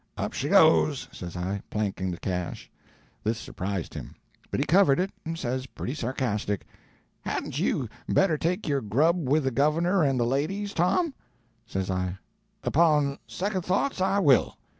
'Up she goes,' says I, planking the cash. This surprised him. But he covered it, and says pretty sarcastic, 'Hadn't you better take your grub with the governor and the ladies, Tom?' Says I 'Upon second thoughts, I will.'